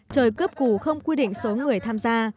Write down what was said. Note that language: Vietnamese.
trời cướp cù không quy định số người tham gia